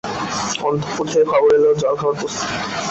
অন্তঃপুর থেকে খবর এল জলখাবার প্রস্তুত।